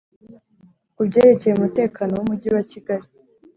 ku byerekeye umutekano w'umujyi wa kigali.